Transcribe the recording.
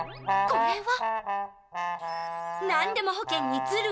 これは？